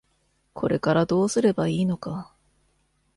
これからどうすればいいのか。